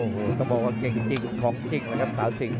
โอ้โหต้องบอกว่าเก่งจริงของจริงแล้วครับสาวสิง